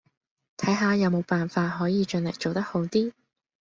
睇下有冇辦法可以盡力做得好啲